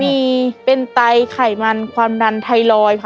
มีเป็นไตไขมันความดันไทรอยด์ค่ะ